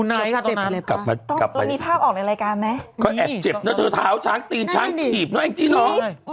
ได้ภาพที่มานะมันต้องได้แบบว่าเออแม่ต้องได้ชางชางมันน่ารัก